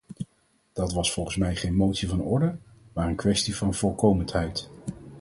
Dat was volgens mij geen motie van orde maar een kwestie van voorkomendheid.